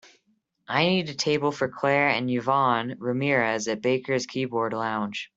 I need a table for clare and yvonne ramirez at Baker's Keyboard Lounge